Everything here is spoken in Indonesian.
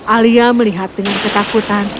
alia melihat dengan ketakutan